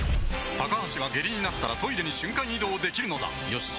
高橋は下痢になったらトイレに瞬間移動できるのだよし。